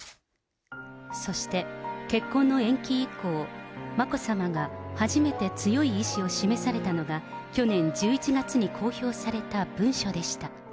そして、結婚の延期以降、眞子さまが初めて強い意志を示されたのが、去年１１月に公表された文書でした。